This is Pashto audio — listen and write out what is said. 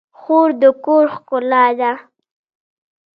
خور د کور ښکلا ده.